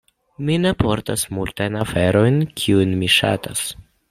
Mi ne portas multajn aferojn, kiujn mi ŝatas.